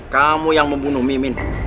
kamu yang membunuh mimin